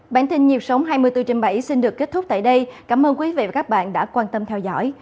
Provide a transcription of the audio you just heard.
bản tin nhịp sống hai mươi bốn trên bảy xin được kết thúc tại đây cảm ơn quý vị và các bạn đã quan tâm theo dõi